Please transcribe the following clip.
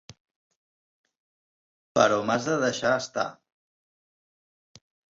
Però m'has de deixar estar.